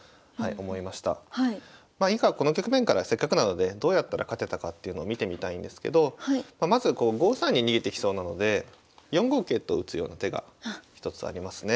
まあ以下この局面からせっかくなのでどうやったら勝てたかというのを見てみたいんですけどまずこう５三に逃げてきそうなので４五桂と打つような手が一つありますね。